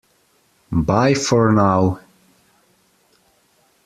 Bye for now!